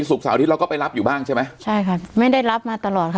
เสาร์อาทิตย์เราก็ไปรับอยู่บ้างใช่ไหมใช่ค่ะไม่ได้รับมาตลอดค่ะ